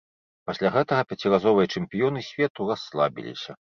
Пасля гэтага пяціразовыя чэмпіёны свету расслабіліся.